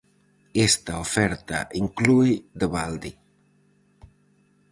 Esta oferta inclúe de balde.